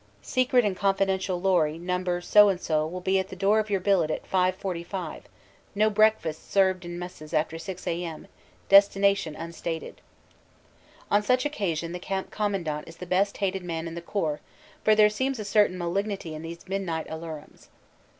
"Secret and Confidential Lorry No. so and so will be at the door of your billet at 5.45 a.m. no breakfasts served in 102 CANADA S HUNDRED DAYS messes after 6 a.m. destination unstated." On such occasion the Camp Commandant is the best hated man in Corps, for there seems a certain malignity in these midnight alarums.